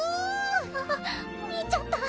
あ見ちゃった！